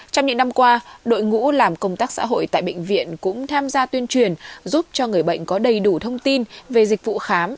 trong những năm qua đội ngũ làm công tác xã hội tại bệnh viện cũng tham gia tuyên truyền giúp cho người bệnh có đầy đủ thông tin về dịch vụ khám